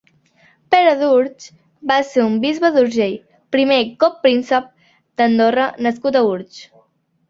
Pere d'Urtx va ser un bisbe d'Urgell, primer copríncep d'Andorra nascut a Urtx.